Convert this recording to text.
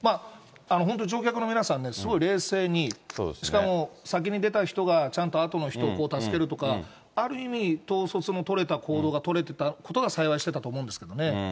本当に乗客の皆さんね、すごい冷静に、しかも先に出た人がちゃんとあとの人を助けるとか、ある意味、統率の取れた行動が取れてたことが幸いしてたと思うんですけどね。